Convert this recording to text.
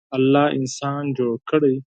الله انسان جوړ کړی.